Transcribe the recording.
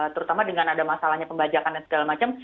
terutama dengan ada masalahnya pembajakan dan segala macam